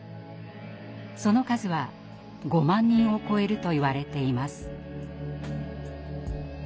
その数は５万人を超えるといわれています。